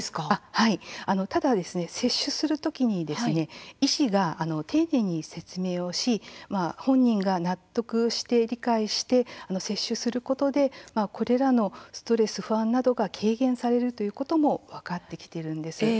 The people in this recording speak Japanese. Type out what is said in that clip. はい、ただ接種するときに医師が丁寧に説明をし本人が納得して理解して接種することでこれらのストレス、不安などが軽減されるということも分かってきているんです。